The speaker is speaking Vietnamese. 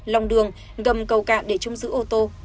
lòng đường gầm cầu cạn để trông giữ ô tô